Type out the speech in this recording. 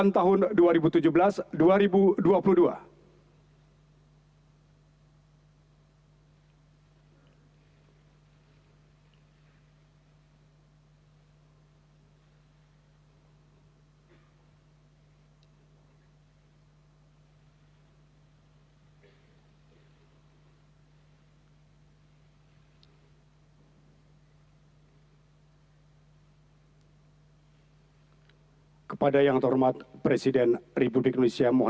lagu kebangsaan indonesia raya